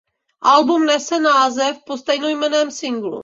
Album nese název po stejnojmenném singlu.